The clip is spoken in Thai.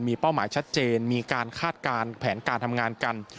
มีเป้าหมายชัดเจนมีการคาดการณ์แผนการทำงานกัน